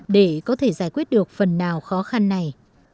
để có thể giải quyết được phần nào khó khăn này